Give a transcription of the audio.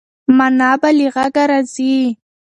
مانا به له غږه راځي.